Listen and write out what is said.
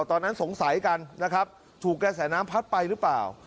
ตอนนั้นสงสัยกันถูกแก้แสนน้ำพัดไปหรือเปล่า